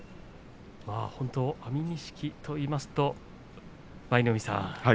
安美錦と言いますと舞の海さん